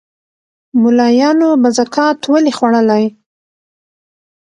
مُلایانو به زکات ولي خوړلای